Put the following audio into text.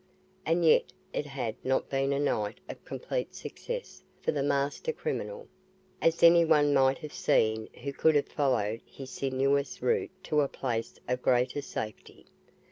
And yet it had not been a night of complete success for the master criminal, as anyone might have seen who could have followed his sinuous route to a place of greater safety.